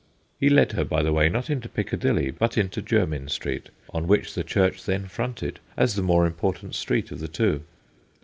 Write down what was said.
He led her, by OLD RECTORS 273 the way, not into Piccadilly, but into Jermyn Street, on which the church then fronted, as the more important street of the two.